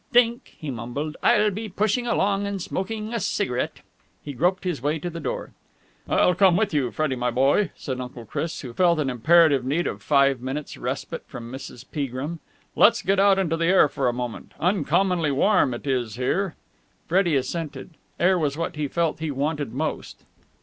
"Think," he mumbled, "I'll be pushing along and smoking a cigarette." He groped his way to the door. "I'll come with you, Freddie my boy," said Uncle Chris, who felt an imperative need of five minutes' respite from Mrs. Peagrim. "Let's get out into the air for a moment. Uncommonly warm it is here." Freddie assented. Air was what he felt he wanted most.